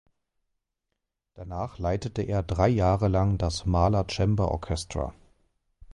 Danach leitete er drei Jahre lang das Mahler Chamber Orchestra.